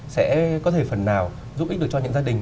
sẽ có thể phần nào giúp ích được cho những gia đình